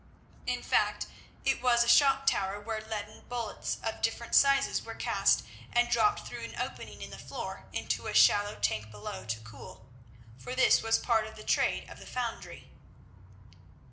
In fact it was a shot tower, where leaden bullets of different sizes were cast and dropped through an opening in the floor into a shallow tank below to cool, for this was part of the trade of the foundry.